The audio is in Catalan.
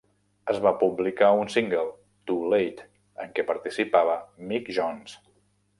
Es va publicar un single, "Too late", en què participava Mick Jones.